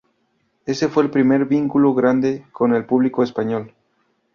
Ese fue el primer vínculo grande con el público español.